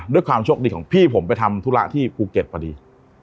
ด้วยความโชคดีของพี่ผมไปทำธุระที่ภูเก็ตพอดี